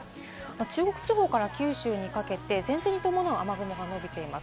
中国地方から九州にかけて、前線に伴う雨雲が伸びています。